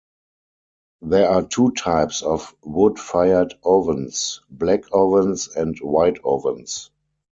There are two types of wood-fired ovens: "black ovens" and "white ovens".